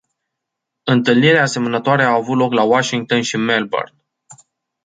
Întâlniri asemănătoare au avut loc la Washington și Melbourne.